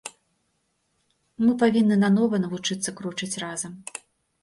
Мы павінны нанова навучыцца крочыць разам.